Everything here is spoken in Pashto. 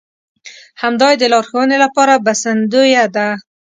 همدا يې د لارښوونې لپاره بسندويه ده.